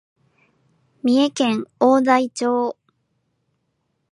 三重県大台町